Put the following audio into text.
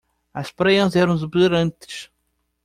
As praias eram exuberantes.